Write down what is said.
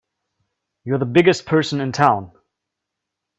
You're the biggest person in town!